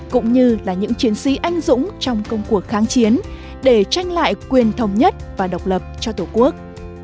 cũng như là những chiến sĩ anh dũng trong công cuộc kháng chiến để tranh lại quyền thống nhất và độc lập cho tổ quốc